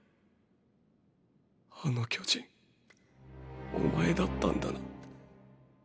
あの巨人お前だったんだな。